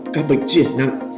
các bệnh truyền nặng